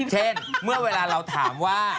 เช่นเมื่อเวลาเราถามว่า